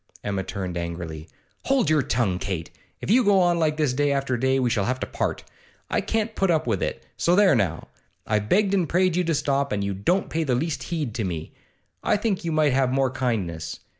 Emma turned angrily. 'Hold your tongue, Kate! If you go on like this day after day we shall have to part; I can't put up with it, so there now! I've begged and prayed you to stop, and you don't pay the least heed to me; I think you might have more kindness.